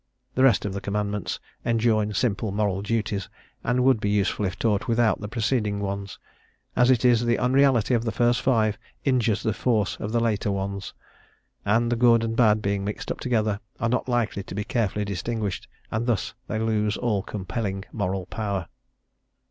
The rest of the commandments enjoin simple moral duties, and would be useful if taught without the preceding ones; as it is, the unreality of the first five injures the force of the later ones, and the good and bad, being mixed up together, are not likely to be carefully distinguished and thus they lose all compelling moral power.